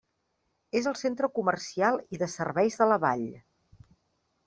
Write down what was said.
És el centre comercial i de serveis de la vall.